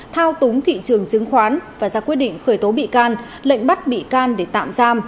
thao túng thị trường chứng khoán và ra quyết định khởi tố bị can lệnh bắt bị can để tạm giam